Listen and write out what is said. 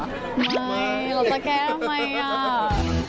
ไม่เราจะแก้ทำไมอ่ะ